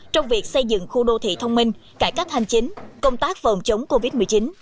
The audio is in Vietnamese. trong việc xây dựng khu đô thị thông minh cải cách hành chính công tác phòng chống covid một mươi chín